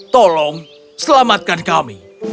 tolong selamatkan kami